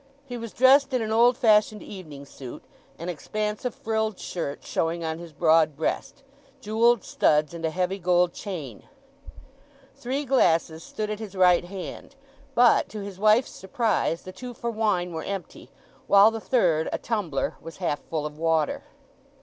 He was dressed in an old fashioned evening suit, an expanse of frilled shirt showing on his broad breast; jewelled studs, and a heavy gold chain. Three glasses stood at his right hand; but, to his wife's surprise, the two for wine were empty, while the third, a tumbler, was half full of water.